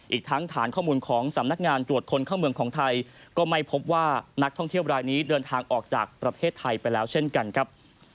อีกทั้งฐานข้อมูลของสำนักงานตรวจคนเข้าเมืองของไทยก็ไม่พบว่านักท่องเที่ยวรายนี้เดินทางออกจากประเทศไทยไปแล้วเช่นกันครับ